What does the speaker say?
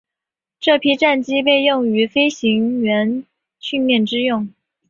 这批战机被用于飞行员训练之用。